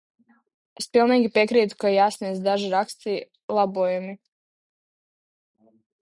Es pilnīgi piekrītu, ka jāiesniedz daži rakstiski labojumi.